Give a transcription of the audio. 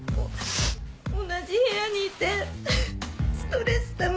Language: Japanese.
同じ部屋にいてストレスたまるの。